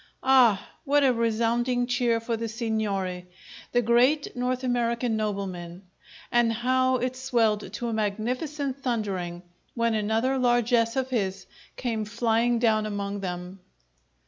Ah! What a resounding cheer for the signore, the great North American nobleman! And how it swelled to a magnificent thundering when another largess of his came flying down among them!